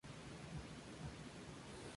Ese mismo día, decidió dimitir.